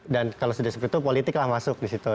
dan kalau sudah seperti itu politik lah masuk di situ